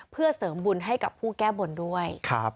เพื่อเสริมบุญให้กับผู้แก้บนด้วย